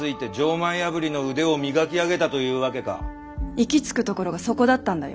行きつくところがそこだったんだよ。